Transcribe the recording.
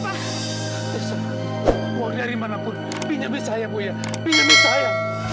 ya pak uangnya dimanapun pinjami saya bu ya pinjami saya